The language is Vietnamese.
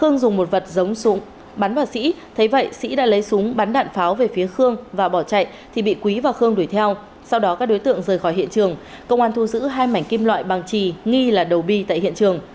nghĩa bị quý và khương đuổi theo sau đó các đối tượng rời khỏi hiện trường công an thu giữ hai mảnh kim loại bằng trì nghi là đầu bi tại hiện trường